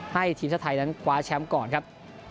ให้ทีมชาติไทยนั้นคว้าแชมป์ก่อนครับ